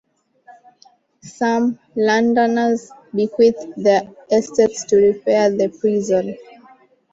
Some Londoners bequeathed their estates to repair the prison.